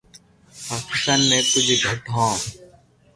پاڪستان مي ڪجھ گھٽ ھون